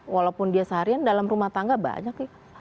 walaupun dia seharian dalam rumah tangga banyak ya